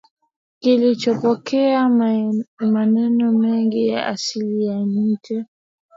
kilichopokea maneno mengi ya asili ya nje